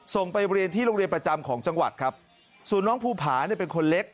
ไปเรียนที่โรงเรียนประจำของจังหวัดครับส่วนน้องภูผาเนี่ยเป็นคนเล็ก